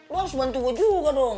lo harus bantu gue juga dong